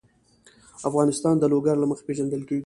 افغانستان د لوگر له مخې پېژندل کېږي.